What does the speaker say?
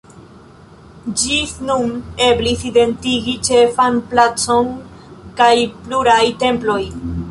Ĝis nun eblis identigi ĉefan placon kaj pluraj temploj.